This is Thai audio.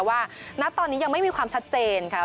ณตอนนี้ยังไม่มีความชัดเจนค่ะ